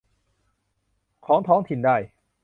ของท้องถิ่นได้